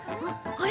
あれ？